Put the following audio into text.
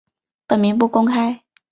本名不公开。